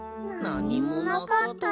なにもなかった。